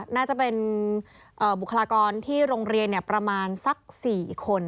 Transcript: น่าจะเป็นบุคลากรที่โรงเรียนประมาณสัก๔คน